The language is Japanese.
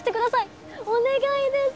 お願いです！